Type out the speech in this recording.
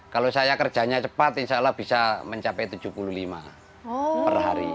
kalau saya kerjanya cepat insya allah bisa mencapai tujuh puluh lima per hari